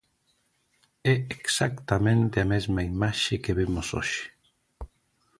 É exactamente a mesma imaxe que vemos hoxe.